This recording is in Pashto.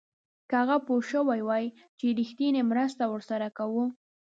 که هغه پوه شوی وای چې رښتینې مرسته ورسره کوو.